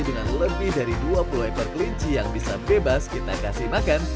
dengan lebih dari dua puluh ekor kelinci yang bisa bebas kita kasih makan